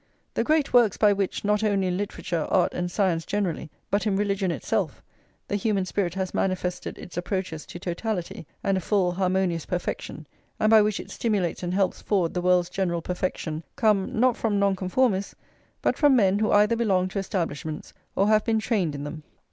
The great works by which, not only in literature, art, and science generally, but in religion itself, the human spirit has manifested its approaches to totality, and a full, harmonious perfection, and by which it stimulates and helps forward the world's general perfection, come, not from Nonconformists, but from men who either belong to Establishments or have been trained in them.